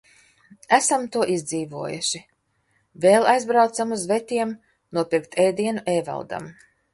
Esam to izdzīvojuši. Vēl aizbraucam uz vetiem nopirkt ēdienu Ēvaldam.